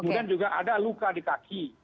kemudian juga ada luka di kaki